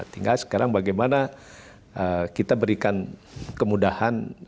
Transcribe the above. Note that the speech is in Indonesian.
tinggal sekarang bagaimana kita berikan kemudahan